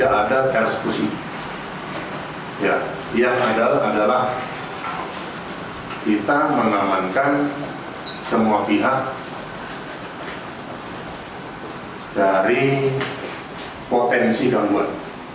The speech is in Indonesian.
kita mengamankan semua pihak dari potensi gangguan